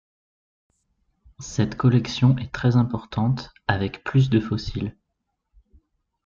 Cette collection est très importante, avec plus de fossiles.